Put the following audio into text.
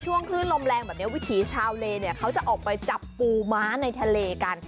คลื่นลมแรงแบบนี้วิถีชาวเลเนี่ยเขาจะออกไปจับปูม้าในทะเลกัน